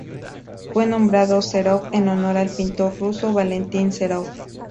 Fue nombrado Serov en honor al pintor ruso Valentín Serov.